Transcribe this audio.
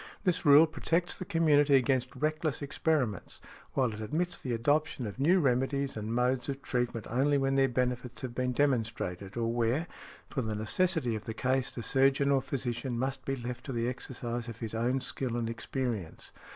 This rule protects the community against reckless experiments, while it admits the adoption of new remedies and modes of treatment only when their benefits have been demonstrated, or where, from the necessity of the case, the surgeon or physician must be left to the exercise of his own skill and experience .